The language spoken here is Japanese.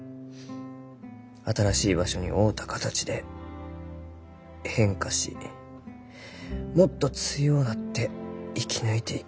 新しい場所に合うた形で変化しもっと強うなって生き抜いていく。